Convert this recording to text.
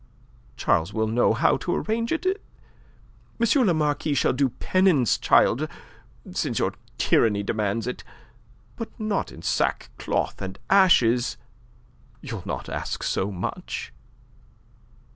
Charles will know how to arrange it. M. le Marquis shall do penance, child, since your tyranny demands it; but not in sackcloth and ashes. You'll not ask so much?"